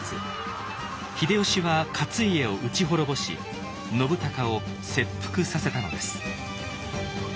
秀吉は勝家を討ち滅ぼし信孝を切腹させたのです。